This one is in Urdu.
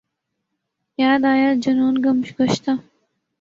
یاد آیا جنون گم گشتہ